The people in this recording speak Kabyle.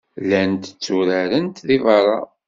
Llant tturaren deg beṛṛa.